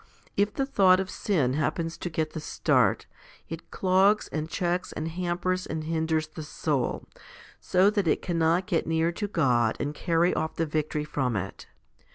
If the thought of sin happens to get the start, it clogs and checks and hampers and hinders the soul, so that it cannot get near to God and carry off the victory from it.